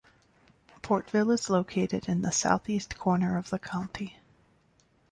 Portville is located in the southeast corner of the county.